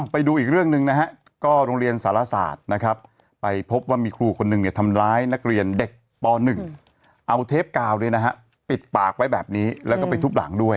ไปดูอีกเรื่องหนึ่งนะฮะก็โรงเรียนสารศาสตร์นะครับไปพบว่ามีครูคนหนึ่งเนี่ยทำร้ายนักเรียนเด็กป๑เอาเทปกาวเนี่ยนะฮะปิดปากไว้แบบนี้แล้วก็ไปทุบหลังด้วย